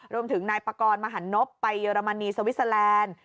รวมถึงนายปากรมหันนบไปเยอรมนีสวิสเตอร์แลนด์